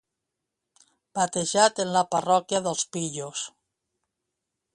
Batejat en la parròquia dels pillos.